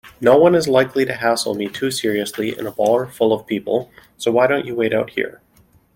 Noone is likely to hassle me too seriously in a bar full of people, so why don't you wait out here?